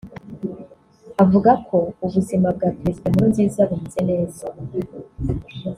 avuga ko ubuzima bwa Perezida Nkurunziza bumeze neza